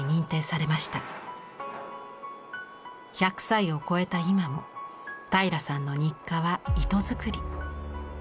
１００歳を超えた今も平良さんの日課は糸作り。